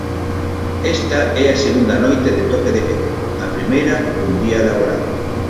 Esta é a segunda noite de toque de queda, a primeira dun día laborable.